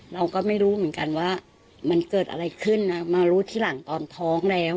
เราก็ไม่รู้เหมือนกันว่ามันเกิดอะไรขึ้นนะมารู้ทีหลังตอนท้องแล้ว